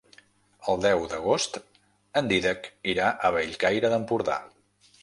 El deu d'agost en Dídac irà a Bellcaire d'Empordà.